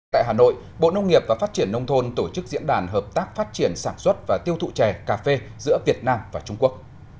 tại hà nội bộ nông nghiệp và phát triển nông thôn tổ chức diễn đàn hợp tác phát triển sản xuất và tiêu thụ chè cà phê giữa việt nam và trung quốc